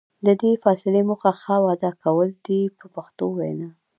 د دې فاصلې موخه ښه وده کول دي په پښتو وینا.